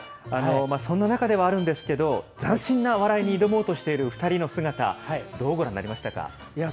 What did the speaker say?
そんな中ではあるんですけれども、斬新な笑いに挑もうとしている２人の姿、どうご覧になりましたか？